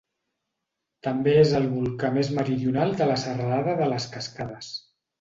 També és el volcà més meridional de la Serralada de les Cascades.